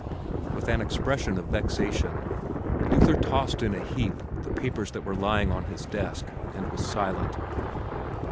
With an expression of vexation, Luther tossed in a heap the papers that were lying on his desk, and was silent.